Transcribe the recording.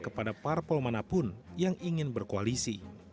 kepada parpol manapun yang ingin berkoalisi